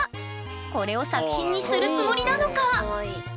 これを作品にするつもりなのか？